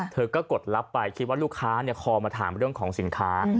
เธอก็กดลับไปคิดว่าลูกค้าคอมาถามเรื่องของสินค้า